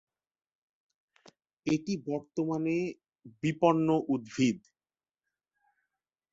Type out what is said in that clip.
এটি বর্তমানে বিপন্ন উদ্ভিদ।